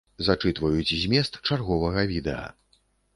Зачытваюць змест чарговага відэа.